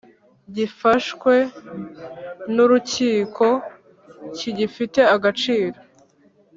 gifashwe n urukiko kigifite agaciro